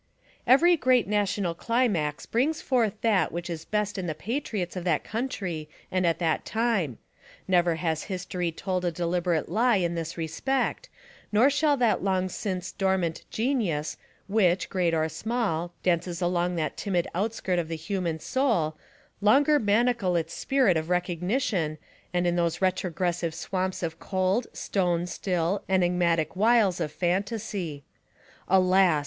Every great national climax brings forth that which is best in the patriots of that country and at that time; never has history told a deliberate lie in this respect, nor shall that long since dormant genius which, great or small, dances along that timid outskirt of the human' soul, longer manacle its spirit of recog nition and in those retrogressive swamps of cold, stone still, enigmatic wiles of phantasy. Alas!